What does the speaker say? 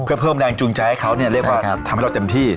เพื่อเพิ่มแรงจูงใจให้เขาเนี่ยเรียกว่าทำให้เราเต็มที่